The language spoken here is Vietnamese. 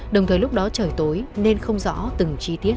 đồng thời lúc đó trời tối nên không rõ từng chi tiết